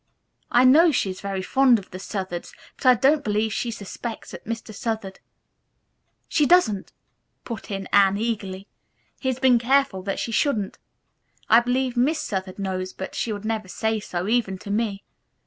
I know she is very fond of the Southards, but I don't believe she suspects that Mr. Southard " "She doesn't," put in Anne eagerly. "He has been careful that she shouldn't. I believe Miss Southard knows, but she would never say so, even to me.